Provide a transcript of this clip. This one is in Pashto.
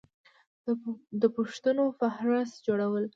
د پوښتنو فهرست جوړول